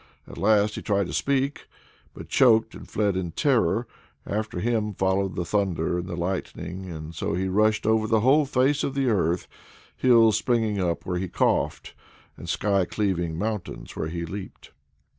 At last he tried to speak, but choked, and fled in terror. After him followed the thunder and the lightning, and so he rushed over the whole face of the earth, hills springing up where he coughed, and sky cleaving mountains where he leaped.